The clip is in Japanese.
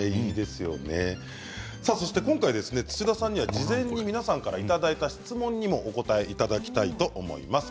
土田さんには、事前に皆さんに書いていただいた質問にもお答えしていただきたいと思います。